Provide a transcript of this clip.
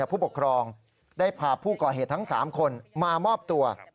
ผู้ปกครองได้พาผู้ก่อเหตุทั้ง๓คนมามอบตัว